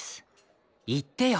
言ってよ。